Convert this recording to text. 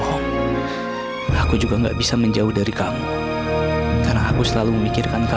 kau yang mau lakukan ke airnya